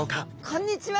こんにちは！